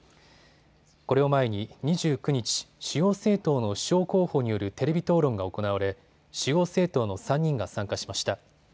これを前に２９日、主要政党の首相候補によるテレビ討論が行われ主要政党の３人が参加しました。